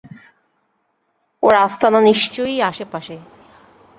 ওর আস্তানা নিশ্চয়ই আশেপাশে।